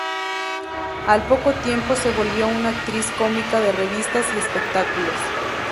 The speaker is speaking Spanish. Al poco tiempo se volvió una actriz cómica de revistas y espectáculos.